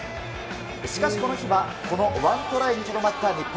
しかし、この日はこのワントライにとどまった日本。